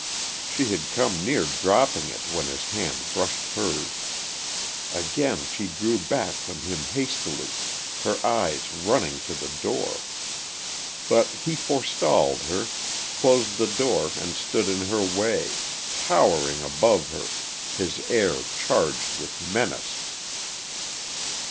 She had come near dropping it when his hand brushed hers. Again she drew back from him hastily, her eyes running to the door. But he forestalled her, closed the door and stood in her way, towering above her, his air charged with menace.